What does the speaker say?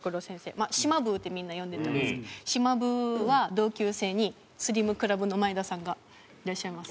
まあ「しまぶー」ってみんな呼んでたんですけどしまぶーは同級生にスリムクラブの真栄田さんがいらっしゃいます。